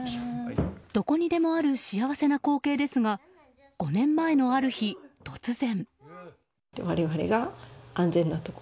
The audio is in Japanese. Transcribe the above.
どこにでもある幸せな光景ですが５年前のある日、突然。